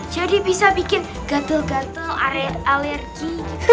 jadi bisa bikin gatel gatel alergi